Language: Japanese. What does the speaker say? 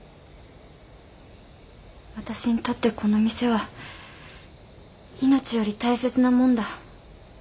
私にとってこの店は命より大切なもんだ。